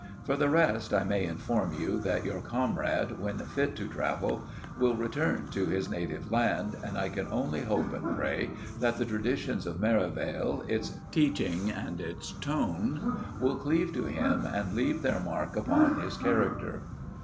For the rest, I may inform you that your comrade, when fit to travel, will return to his native land, and I can only hope and pray that the traditions of Merivale, its teaching and its tone, will cleave to him and leave their mark upon his character."